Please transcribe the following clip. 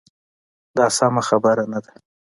دا سمه خبره نه ده.